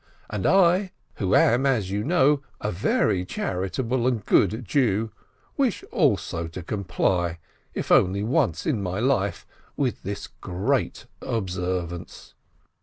And I, who am, as you know, a very char itable and good Jew, wish also to comply, if only once in my life, with this great observance.